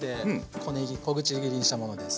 小ねぎ小口切りにしたものです。